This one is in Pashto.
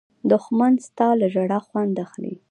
دښمن ستا له ژړا خوند اخلي